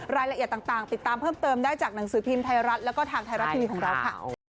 รายละเอียดต่างติดตามเพิ่มเติมได้จากหนังสือพิมพ์ไทยรัฐแล้วก็ทางไทยรัฐทีวีของเราค่ะ